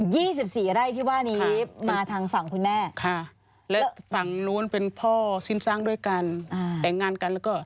ยี่สิบสี่ไร้ที่ว่านี้มาทางฝั่งคุณแม่